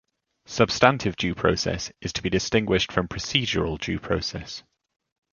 Substantive due process is to be distinguished from procedural due process.